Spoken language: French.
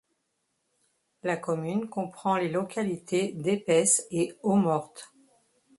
La commune comprend les localités d'Epeisses et Eaumorte.